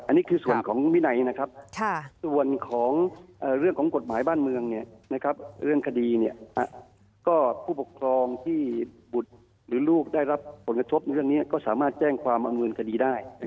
อันนี้คือส่วนของวินัยนะครับส่วนของเรื่องของกฎหมายบ้านเมืองเรื่องคดีก็ผู้ปกครองที่บุตรหรือลูกได้รับผลกระทบในเรื่องนี้ก็สามารถแจ้งความอำนวยคดีได้